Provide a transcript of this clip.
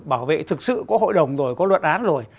bảo vệ thực sự có hội đồng rồi có luận án rồi